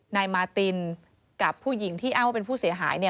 นายมาตินกับผู้หญิงที่อ้างว่าเป็นผู้เสียหาย